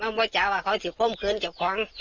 ไม่ว่าจะว่าเขาจะพ่มเผือนเจ้าของ